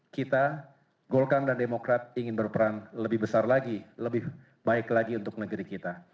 kita golkar dan demokrat ingin berperan lebih besar lagi lebih baik lagi untuk negeri kita